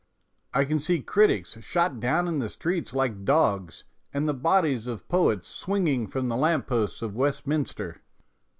I can see critics shot down in the street like dogs, and the bodies of poets swinging from the lamp posts of Westminster.